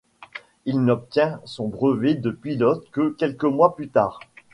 Il n'obtient son brevet de pilote que quelques mois plus tard.